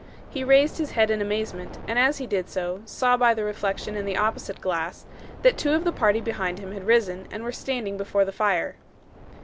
He raised his head in amazement, and as he did so, saw by the reflection in the opposite glass, that two of the party behind him had risen and were standing before the fire.